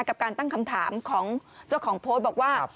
กับการตั้งคำถามของเจ้าของโพสต์บอกว่า